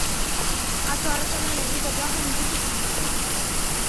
Atzo arratsaldean herriko plazan ikusi zintudan.